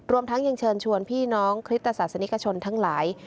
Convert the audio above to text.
รวมทั้งยังเชิญชวนพี่น้องคริสตศาสนิกชนทั้งหลาย